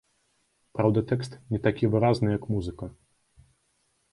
Праўда, тэкст не такі выразны, як музыка.